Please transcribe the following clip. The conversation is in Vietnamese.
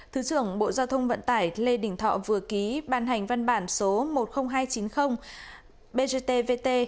thứ trưởng bộ giao thông vận tải lê đình thọ vừa ký ban hành văn bản số một mươi nghìn hai trăm chín mươi bgtvt